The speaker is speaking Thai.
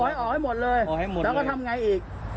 เขาบอกให้ออกให้หมดเลยแล้วก็ทำยังไงอีก